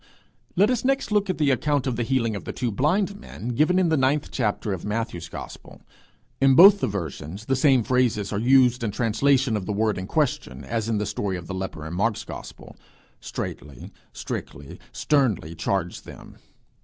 Let us next look at the account of the healing of the two blind men, given in the ninth chapter of Matthew's gospel. In both the versions the same phrases are used in translation of the word in question, as in the story of the leper in Mark's gospel 'straitly,' 'strictly,' 'sternly charged them.'